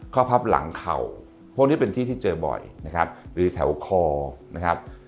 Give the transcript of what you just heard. พับหลังเข่าพวกนี้เป็นที่ที่เจอบ่อยนะครับหรือแถวคอนะครับ